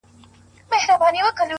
o زړه په پیوند دی؛